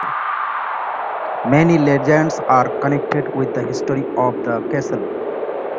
Many legends are connected with the history of the castle.